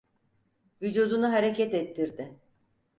Vücudunu hareket ettirdi.